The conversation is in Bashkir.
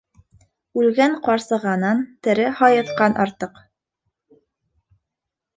Үлгән ҡарсығанан тере һайыҫҡан артыҡ.